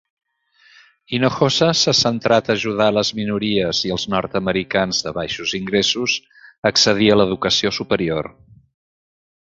Hinojosa s'ha centrat a ajudar les minories i els nord-americans de baixos ingressos a accedir a l'educació superior.